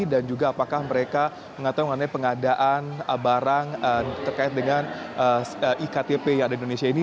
dan juga apakah mereka mengatakan pengadaan barang terkait dengan iktp yang ada di indonesia ini